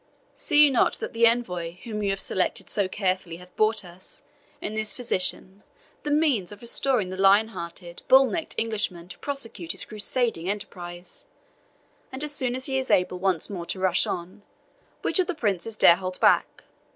See you not that the envoy whom you have selected so carefully hath brought us, in this physician, the means of restoring the lion hearted, bull necked Englishman to prosecute his Crusading enterprise. And so soon as he is able once more to rush on, which of the princes dare hold back?